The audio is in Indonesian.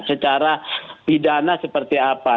secara pidana seperti apa